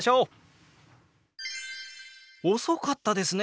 遅かったですね。